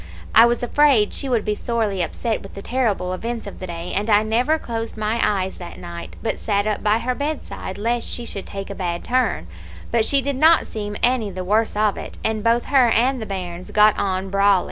I was afraid she would be sorely upset with the terrible events of the day, and I never closed my eyes that night, but sat up by her bedside lest she should take a bad turn; but she did not seem any the worse of it, and both her and the bairns got on brawly.